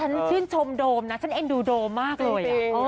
ชื่นชมโดมนะฉันเอ็นดูโดมมากเลย